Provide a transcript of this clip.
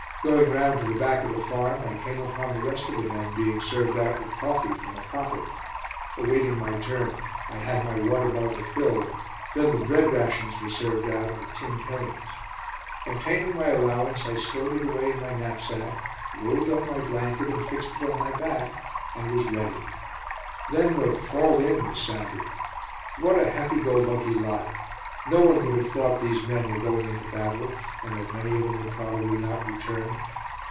Going round to the back of the farm, I came upon the rest of the men being served out with coffee from a copper. Awaiting my turn, I had my water bottle filled; then the bread rations were served out with tinned herrings. Obtaining my allowance, I stowed it away in my knapsack, rolled up my blanket and fixed it on my back, and was ready. Then the "Fall in" was sounded. What a happy go lucky lot! No one would have thought these men were going into battle, and that many of them would probably not return.